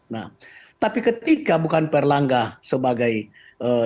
nah tapi ketika bukan pak erlangga sebagai calon